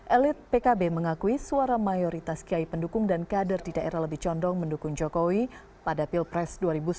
elit pkb mengakui suara mayoritas kiai pendukung dan kader di daerah lebih condong mendukung jokowi pada pilpres dua ribu sembilan belas